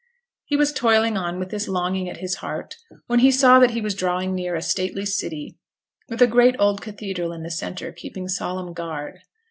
He was toiling on with this longing at his heart when he saw that he was drawing near a stately city, with a great old cathedral in the centre keeping solemn guard.